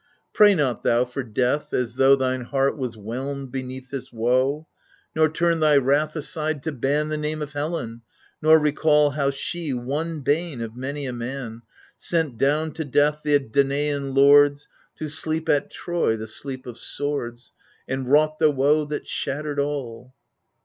pray not thou for death as though Thine heart was whelmed beneath this woe, Nor turn thy wrath aside to ban The name of Helen, nor recall How she, one bane of many a man. Sent down to death the Danaan lords, To sleep at Troy the sleep of swords, And wrought the woe that shattered all.